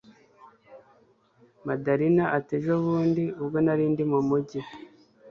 Madalina atiejo bundi ubwo narindi mumujyi